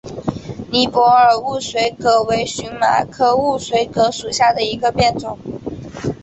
尼泊尔雾水葛为荨麻科雾水葛属下的一个变种。